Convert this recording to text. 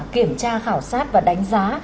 kiểm tra khảo sát và đánh giá